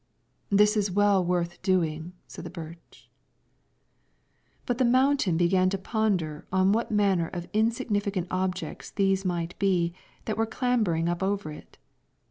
"This is well worth doing," said the birch. But the mountain began to ponder on what manner of insignificant objects these might be that were clambering up over it.